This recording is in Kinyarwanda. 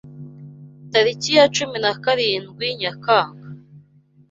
Tariki ya cumi na karindwi Nyakanga: